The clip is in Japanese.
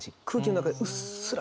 うっすら。